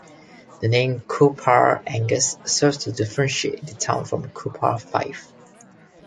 The name Coupar Angus serves to differentiate the town from Cupar, Fife.